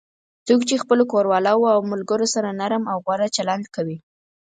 څوک چې خپلو کوروالو او ملگرو سره نرم او غوره چلند کوي